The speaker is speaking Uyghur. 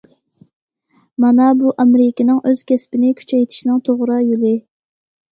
مانا بۇ ئامېرىكىنىڭ ئۆز كەسپىنى كۈچەيتىشنىڭ توغرا يولى.